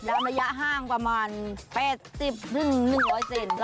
ดำเนื้อยาห้างประมาณ๘๐ปุ้ง๑๐๐เซน